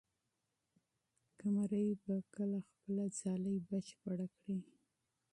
قمري به کله خپله ځالۍ بشپړه کړي؟